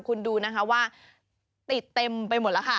คุณดูนะคะว่าติดเต็มไปหมดแล้วค่ะ